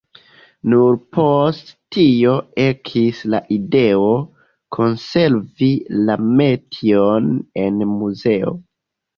Nur post tio ekis la ideo, konservi la metion en muzeo.